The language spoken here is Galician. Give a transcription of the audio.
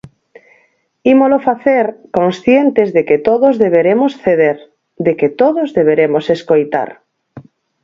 Ímolo facer conscientes de que todos deberemos ceder, de que todos deberemos escoitar.